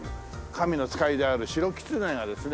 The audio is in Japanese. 神の使いである白キツネがですね